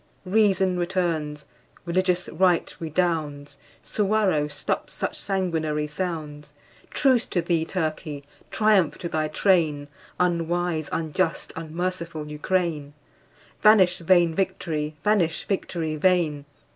Reason returns, religious right redounds, Suwarrow stops such sanguinary sounds. Truce to thee, Turkey! Triumph to thy train, Unwise, unjust, unmerciful Ukraine! Vanish vain victory! vanish, victory vain!